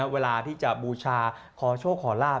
เวลาที่จะบูชาขอโชคขอลาบ